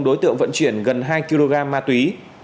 đối tượng vận chuyển gần hai kg ma túy